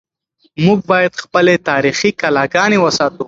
موږ باید خپلې تاریخي کلاګانې وساتو.